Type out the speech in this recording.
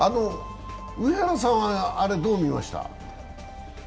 上原さんは、あれどう見ました？